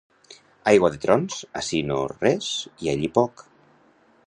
Aigua de trons, ací no res i allí poc.